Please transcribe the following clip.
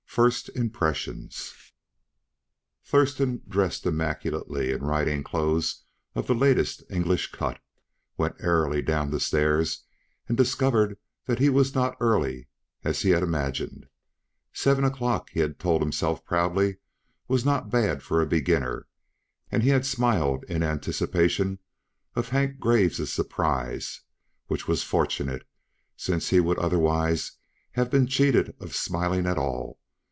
FIRST IMPRESSIONS Thurston, dressed immaculately in riding clothes of the latest English cut, went airily down the stairs and discovered that he was not early, as he had imagined. Seven o'clock, he had told himself proudly, was not bad for a beginner; and he had smiled in anticipation of Hank Graves' surprise which was fortunate, since he would otherwise have been cheated of smiling at all.